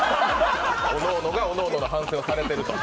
おのおのがおのおのの反省をされていると。